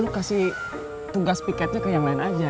lo kasih tugas fiketnya ke yang lain aja